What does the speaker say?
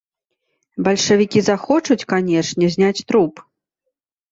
Бальшавікі захочуць, канешне, зняць труп.